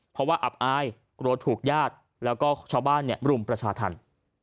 เพราะว่าอับอายกลัวถูกญาติแล้วก็ชาวบ้านรุมประชาธรรม